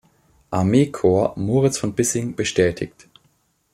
Armee-Korps, Moritz von Bissing, bestätigt.